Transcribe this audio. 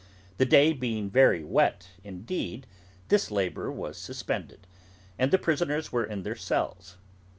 The day being very wet indeed, this labour was suspended, and the prisoners were in their cells.